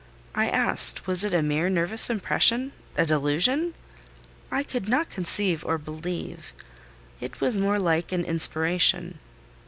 I asked was it a mere nervous impression—a delusion? I could not conceive or believe: it was more like an inspiration.